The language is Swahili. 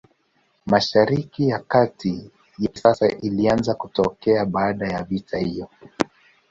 Mashariki ya Kati ya kisasa ilianza kutokea baada ya vita hiyo.